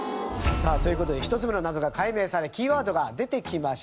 さあという事で１つ目の謎が解明されキーワードが出てきました。